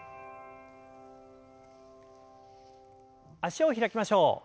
脚を開きましょう。